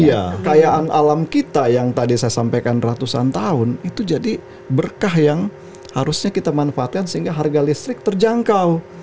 iya kayaan alam kita yang tadi saya sampaikan ratusan tahun itu jadi berkah yang harusnya kita manfaatkan sehingga harga listrik terjangkau